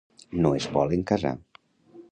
No es volen casar.